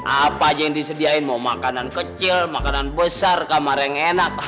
apa aja yang disediain mau makanan kecil makanan besar kamar yang enak